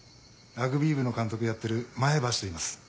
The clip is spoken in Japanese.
ラグビー部の監督やってる前橋といいます。